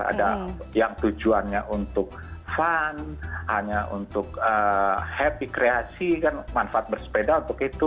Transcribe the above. ada yang tujuannya untuk fun hanya untuk happy kreasi kan manfaat bersepeda untuk itu